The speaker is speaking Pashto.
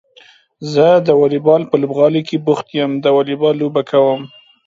زه د واليبال په لوبغالي کې بوخت يم د واليبال لوبه کوم.